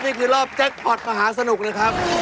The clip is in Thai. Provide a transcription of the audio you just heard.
นี่คือรอบแจ็คพอร์ตมหาสนุกนะครับ